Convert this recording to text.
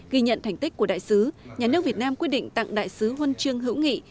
ghi nhận thành tích của đại sứ nhà nước việt nam quyết định tặng đại sứ huân chương hữu nghị